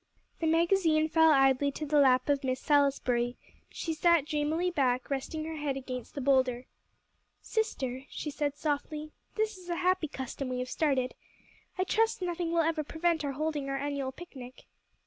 The magazine fell idly to the lap of Miss Salisbury. She sat dreamily back, resting her head against the boulder. "Sister," she said softly, "this is a happy custom we have started. I trust nothing will ever prevent our holding our annual picnic."